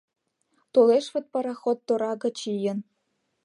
Толеш вот пароход тора гыч ийын